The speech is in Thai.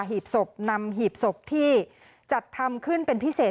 หีบศพนำหีบศพที่จัดทำขึ้นเป็นพิเศษ